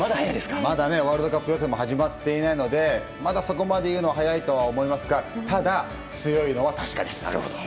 まだワールドカップ予選も始まっていないのでまだ、そこまで言うのは早いと思いますがただ、強いのは確かです。